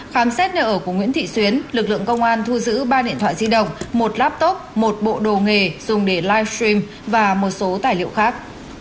khám xét nợ của nguyễn thị xuyến lực lượng công an thu giữ ba điện thoại di động một laptop một bộ đồ nghề dùng để live stream và một số tài liệu khác